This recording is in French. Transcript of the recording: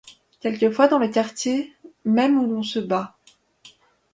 Quelquefois dans le quartier même où l'on se bat.